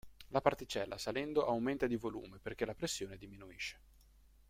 La particella salendo aumenta di volume perché la pressione diminuisce.